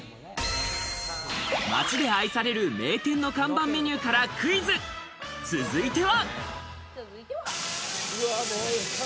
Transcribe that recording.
町で愛される名店の看板メニューからクイズ続いては。